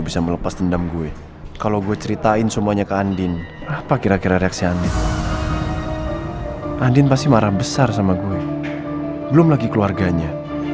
sampai jumpa di video selanjutnya